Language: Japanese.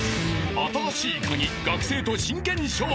［『新しいカギ』学生と真剣勝負］